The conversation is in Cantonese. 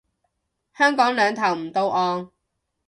香港兩頭唔到岸